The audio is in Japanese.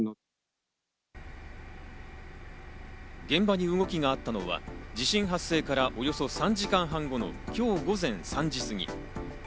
現場に動きがあったのは地震発生からおよそ３時間半後の今日午前３時過ぎ。